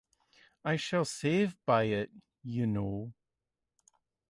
I shall save by it, you know.